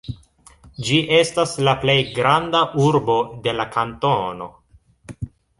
Ĝi estas la plej granda urbo de la kantono.